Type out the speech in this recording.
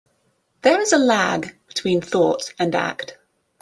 There is a lag between thought and act.